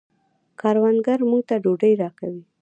کروندګر موږ ته ډوډۍ راکوي